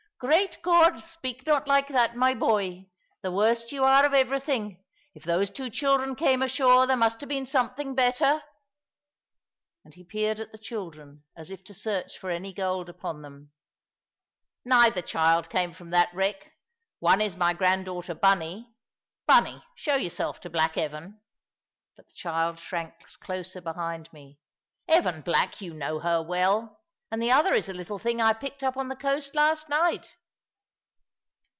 "Great God! speak not like that, my boy. The worst you are of everything. If those two children came ashore, there must have been something better." And he peered at the children as if to search for any gold upon them. "Neither child came from that wreck. One is my granddaughter Bunny. Bunny, show yourself to black Evan." But the child shrank closer behind me. "Evan black, you know her well. And the other is a little thing I picked up on the coast last night."